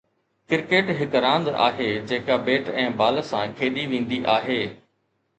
cricket هڪ راند آهي جيڪا بيٽ ۽ بال سان کيڏي ويندي آهي